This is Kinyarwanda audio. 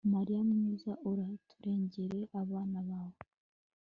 mariya mwiza uraturengere, abana bawe